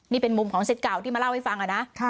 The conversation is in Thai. นี่เป็นมุมของสิทธิ์เก่าที่มาเล่าให้ฟังนะ